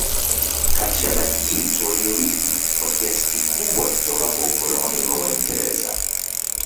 Katiaba hii tuliirithi kwa kiasi kikubwa toka kwa ukoloni wa waingereza